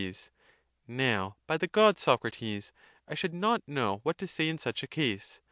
Now, by the gods, Socrates, I should not know what to say in such a case.